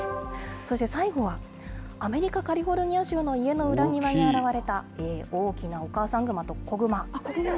そして最後は、アメリカ・カリフォルニア州の家の裏庭に現れた、大きなお母さん熊と子熊。